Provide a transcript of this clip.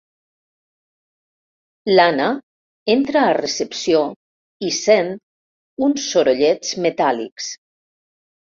L'Anna entra a recepció i sent uns sorollets metàl·lics.